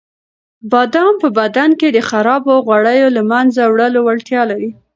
بادام په بدن کې د خرابو غوړیو د له منځه وړلو وړتیا لري.